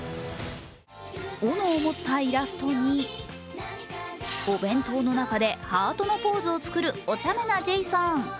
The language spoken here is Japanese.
おのを持ったイラストにお弁当の中でハートのポーズを作るおちゃめなジェイソン。